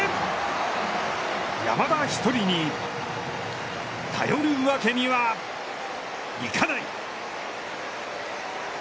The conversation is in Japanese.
山田１人に頼るわけにはいかない。